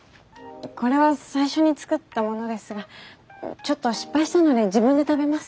これは最初に作ったものですがちょっと失敗したので自分で食べます。